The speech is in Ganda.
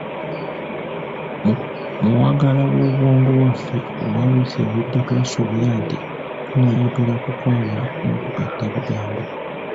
Mu wagala obwongo waffe owa wiiki ewedde twasuubiza nti tunaayogera ku kwawula n’okugatta ebigambo.